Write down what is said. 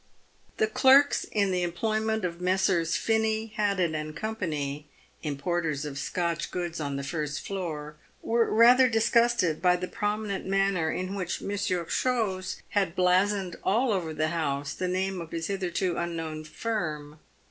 The clerks in the employment of Messrs. Finny, Haddy, and Co. (importers of Scotch goods on the first floor), were rather disgusted by the prominent manner in which Monsieur Chose had blazoned all over the house the name of his hitherto unknown firm.